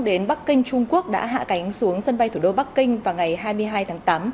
đến bắc kinh trung quốc đã hạ cánh xuống sân bay thủ đô bắc kinh vào ngày hai mươi hai tháng tám